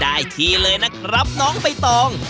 ได้ทีเลยนะครับน้องใบตอง